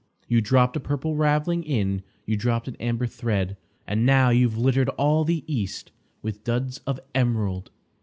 You dropped a Purple Ravelling in You dropped an Amber thread And now you've littered all the east With Duds of Emerald!